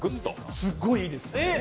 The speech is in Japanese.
すっごいいいです。